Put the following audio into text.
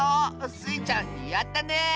スイちゃんやったね！